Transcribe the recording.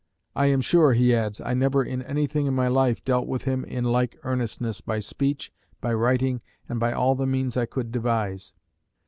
"I am sure," he adds, "I never in anything in my life dealt with him in like earnestness by speech, by writing, and by all the means I could devise."